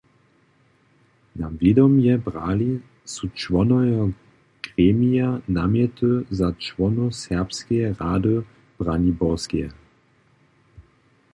Na wědomje brali su čłonojo gremija namjety za čłonow serbskeje rady Braniborskeje.